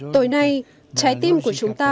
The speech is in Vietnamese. tối nay trái tim của chúng ta